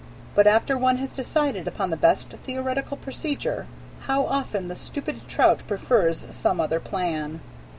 But after one has decided upon the best theoretical procedure, how often the stupid trout prefers some other plan!